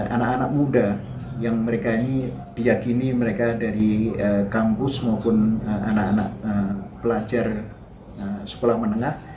anak anak muda yang mereka ini diyakini mereka dari kampus maupun anak anak pelajar sekolah menengah